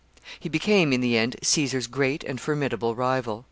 He became, in the end, Caesar's great and formidable rival.